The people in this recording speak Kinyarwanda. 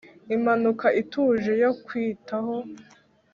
impanuka ituje yo kwitaho,